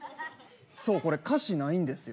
そうこれ歌詞ないんですよ。